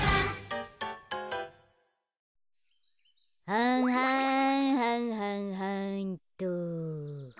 はんはんはんはんはんっと。